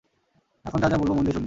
এখন যা যা বলব মন দিয়ে শুনবে।